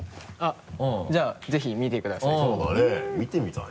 じゃあぜひ見てくださいうん。